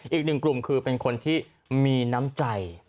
อีกหนึ่งกลุ่มคือเป็นคนที่มีน้ำใจ